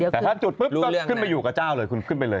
แต่ถ้าจุดปุ๊บก็ขึ้นไปอยู่กับเจ้าเลยคุณขึ้นไปเลย